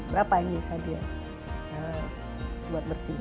berapa yang bisa dia buat bersih